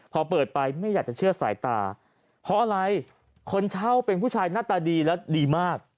พอเปิดไปไม่อยากจะเชื่อสายตาเพราะอะไรคนเช่าเป็นผู้ชายหน้าตาดีและดีมาก